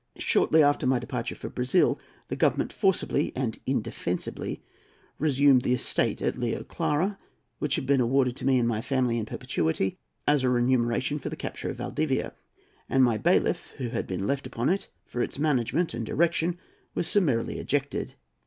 Shortly after my departure for Brazil, the Government forcibly and indefensibly resumed the estate at Rio Clara, which had been awarded to me and my family in perpetuity, as a remuneration for the capture of Valdivia, and my bailiff, who had been left upon it for its management and direction, was summarily ejected.